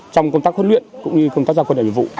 trong công tác huấn luyện cũng như công tác giao quân